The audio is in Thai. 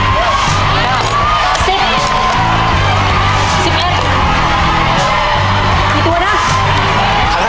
เต้นมันเร็วเร็ว